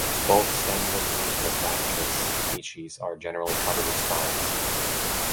Both stems and leaves of "Bactris" species are generally covered with spines.